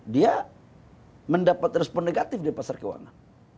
dia mendapat respon negatif dari pasar keuangan